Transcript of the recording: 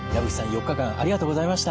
４日間ありがとうございました。